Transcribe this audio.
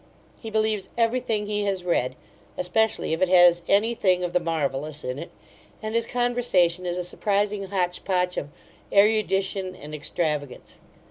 He believes every thing he has read; especially if it has any thing of the marvellous in it and his conversation is a surprizing hotch potch of erudition and extravagance.